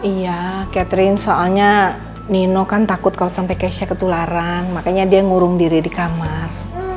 iya catherine soalnya nino kan takut kalau sampai kesha ketularan makanya dia ngurung diri di kamar